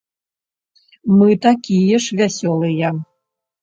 Мы такія ж вясёлыя.